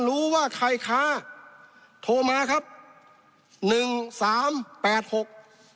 สามแปดหก